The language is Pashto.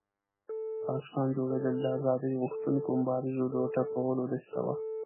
د پاکستان جوړېدل د آزادۍ غوښتونکو مبارزو د ټکولو دسیسه وه.